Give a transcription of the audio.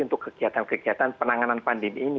untuk kegiatan kegiatan penanganan pandemi ini